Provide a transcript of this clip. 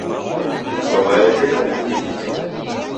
W'aw'aye odeka ni mrighitiaa